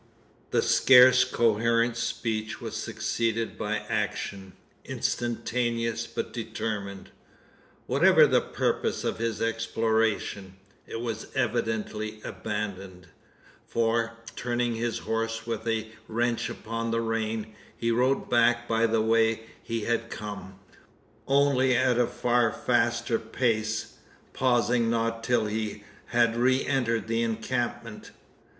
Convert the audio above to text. The scarce coherent speech was succeeded by action, instantaneous but determined. Whatever the purpose of his exploration, it was evidently abandoned: for, turning his horse with a wrench upon the rein, he rode back by the way he had come only at a far faster pace, pausing not till he had re entered the encampment.